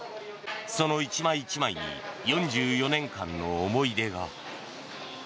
その１枚１枚に４４年間の思い出が。